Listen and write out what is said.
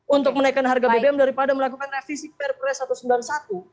untuk menaikkan harga bbm daripada melakukan revisi perpres satu ratus sembilan puluh satu